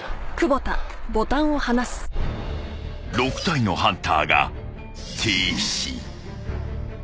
［６体のハンターが停止］